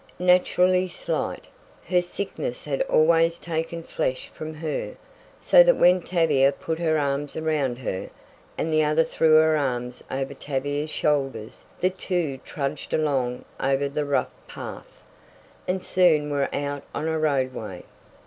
Naturally slight, her sickness had also taken flesh from her, so that when Tavia put her arms about her, and the other threw her arms over Tavia's shoulders, the two trudged along over the rough path, and soon were out on a roadway.